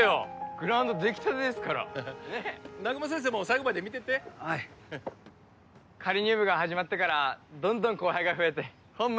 グラウンドできたてですからねっ南雲先生も最後まで見てってはい仮入部が始まってからどんどん後輩が増えてホンマ